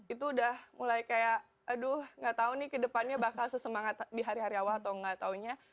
itu udah mulai kayak aduh gak tau nih ke depannya bakal sesemangat di hari hari awal atau nggak taunya